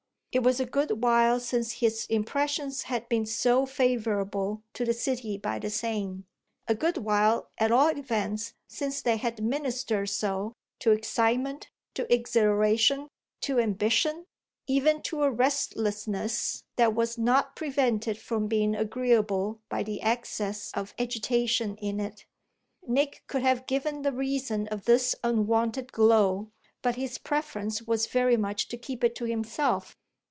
It was a good while since his impressions had been so favourable to the city by the Seine; a good while at all events since they had ministered so to excitement, to exhilaration, to ambition, even to a restlessness that was not prevented from being agreeable by the excess of agitation in it. Nick could have given the reason of this unwonted glow, but his preference was very much to keep it to himself.